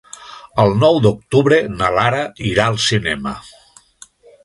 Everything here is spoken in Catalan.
El nou d'octubre na Lara irà al cinema.